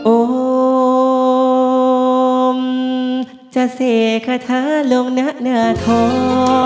โอ้มจะเสียคาทะลงหน้าเนื้อทอง